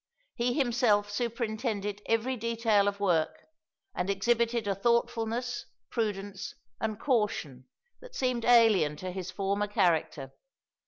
He himself superintended every detail of work and exhibited a thoughtfulness, prudence, and caution that seemed alien to his former character.